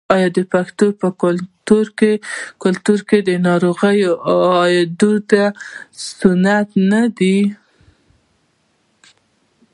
آیا د پښتنو په کلتور کې د ناروغ عیادت سنت نه دی؟